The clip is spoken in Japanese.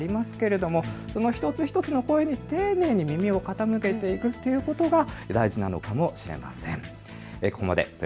難しいところではありますけれども一つ一つの声に丁寧に耳を傾けていくっていうことが大事なのかもしれません。